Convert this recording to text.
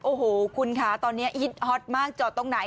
โอ้โหคุณค่ะตอนนี้ฮิตฮอตมากจอดตรงไหน